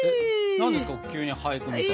何ですか急に俳句みたいな。